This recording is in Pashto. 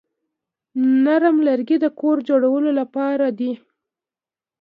نرم لرګي د کور جوړولو لپاره دي.